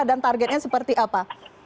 dan targetnya seperti apa